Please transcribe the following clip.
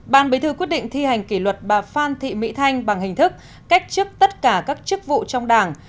ban bí thư quyết định thi hành kỷ luật bà phan thị mỹ thanh bằng hình thức cách chức tất cả các chức vụ trong đảng